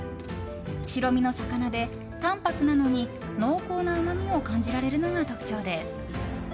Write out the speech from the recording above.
白身の魚で、淡泊なのに濃厚なうまみを感じられるのが特徴です。